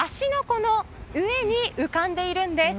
湖の上に浮かんでいるんです。